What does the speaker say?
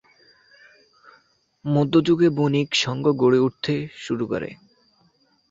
মধ্যযুগে বণিক সংঘ গড়ে উঠতে শুরু করে।